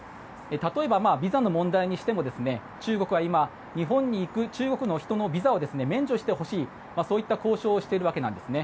例えばビザの問題にしても中国は今日本に行く中国の人のビザを免除してほしいそういった交渉をしているわけですね。